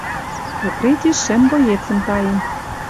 Укрытиш шӹм боецӹм таен».